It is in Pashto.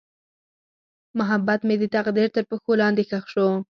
محبت مې د تقدیر تر پښو لاندې ښخ شو.